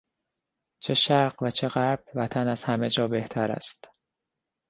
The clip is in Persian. چه شرق و چه غرب وطن از همهجا بهتر است!